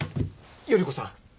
依子さん